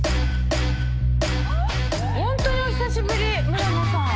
ホントにお久しぶり村野さん。